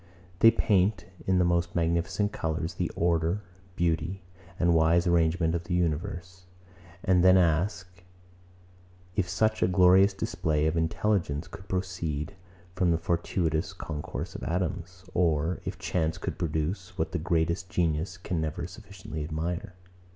They paint, in the most magnificent colours, the order, beauty, and wise arrangement of the universe; and then ask, if such a glorious display of intelligence could proceed from the fortuitous concourse of atoms, or if chance could produce what the greatest genius can never sufficiently admire.